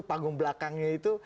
panggung belakangnya itu